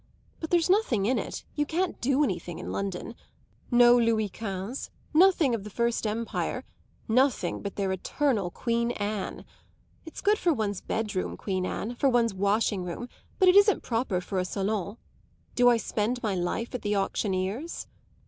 But there's nothing in it you can't do anything in London. No Louis Quinze nothing of the First Empire; nothing but their eternal Queen Anne. It's good for one's bed room, Queen Anne for one's washing room; but it isn't proper for a salon. Do I spend my life at the auctioneer's?"